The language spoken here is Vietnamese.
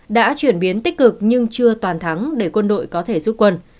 đã chuyển biến tích cực nhưng chưa toàn thắng để quân đội có thể rút quân